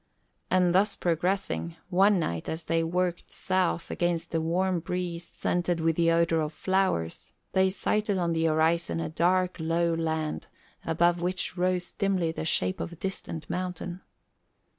And thus progressing, one night, as they worked south against a warm breeze scented with the odour of flowers, they sighted on the horizon a dark low land above which rose dimly the shape of a distant mountain.